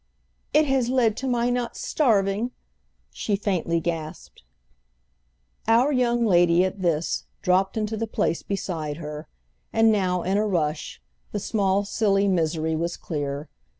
"It has led to my not starving!" she faintly gasped. Our young lady, at this, dropped into the place beside her, and now, in a rush, the small silly misery was clear.